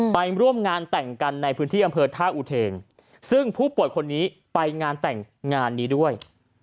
ไปร่วมงานแต่งกันในพื้นที่อำเภอท่าอุเทนซึ่งผู้ป่วยคนนี้ไปงานแต่งงานนี้ด้วย